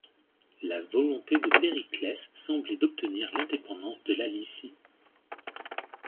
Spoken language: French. La volonté de Périclès semblait d'obtenir l'indépendance de la Lycie.